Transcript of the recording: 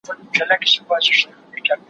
زور يې نه وو برابر له وزيرانو